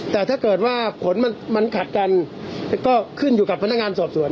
แต่ถ้าเกิดว่าผลมันขัดกันก็ขึ้นอยู่กับพนักงานสอบสวน